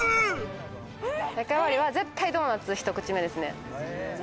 大会終わりは絶対ドーナツ、ひと口目ですね。